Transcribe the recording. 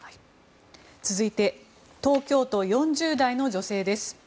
続いて東京都、４０代の女性です。